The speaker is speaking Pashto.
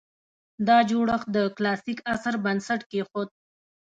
دا جوړښت د کلاسیک عصر بنسټ کېښود